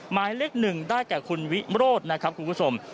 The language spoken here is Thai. หมายเลข๑ได้แก่คุณวิโรธนะครับคุณผู้ชม